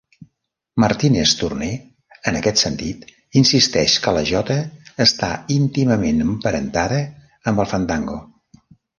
Martínez Torner, en aquest sentit, insisteix que la jota està íntimament emparentada amb el fandango.